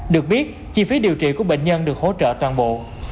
được biết chi phí điều trị của bệnh nhân được hỗ trợ toàn bộ